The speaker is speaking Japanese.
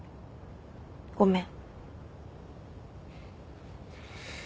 ごめん。